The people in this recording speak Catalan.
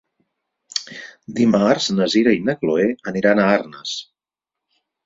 Dimarts na Sira i na Chloé aniran a Arnes.